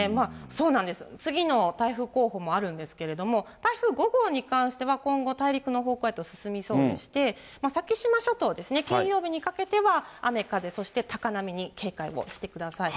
そうなんです、次の台風候補もあるんですけれども、台風５号に関しては、今後、大陸の方向へと進みそうでして、先島諸島ですね、金曜日にかけては、雨風、そして高波に警戒をしてください。